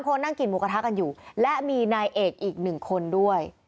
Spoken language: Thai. นั่งกินหมูกระทะกันอยู่และมีนายเอกอีกหนึ่งคนด้วย